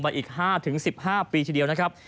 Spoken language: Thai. อีก๕๑๕ปีทีเดียวนะครับ